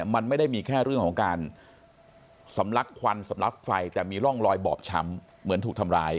มันไม่ได้มีแค่เรื่องของการสำลักควันสำลักไฟแต่มีร่องรอยบอบช้ำเหมือนถูกทำร้าย